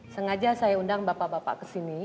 sengaja saya undang bapak bapak ke sini